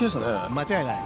間違いない。